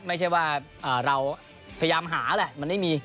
ไม่ใช่ว่าเราพยายามหาแหละมันไม่มี